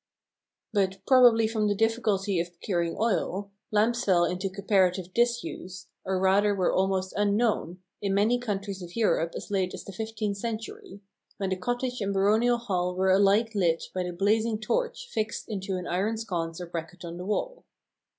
But probably from the difficulty of procuring oil, lamps fell into comparative disuse, or rather were almost unknown, in many countries of Europe as late as the fifteenth century; when the cottage and baronial hall were alike lit by the blazing torch fixed into an iron sconce or bracket on the wall.